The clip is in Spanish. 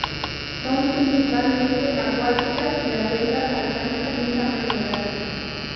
Son principalmente acuáticas, y las hembras alcanzan un tamaño grande.